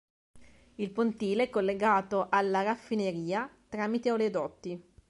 Il pontile è collegato alla raffineria tramite oleodotti.